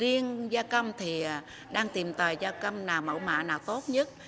riêng gia cầm thì đang tìm tòi gia cầm nào mẫu mạ nào tốt nhất